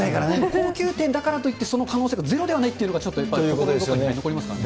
高級店だからといって、その可能性がゼロではないというのが、ちょっとやっぱり心に残りますから。